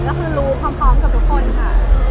ก็คือรู้พร้อมกับทุกคนค่ะ